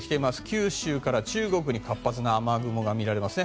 九州から中国に活発な雨雲がみられますね。